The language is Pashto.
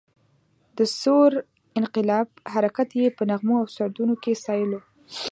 د ثور انقلاب حرکت یې په نغمو او سرودونو کې ستایلو.